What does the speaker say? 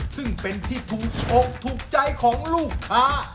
ซึ่งเป็นที่ถูกอกถูกใจของลูกค้า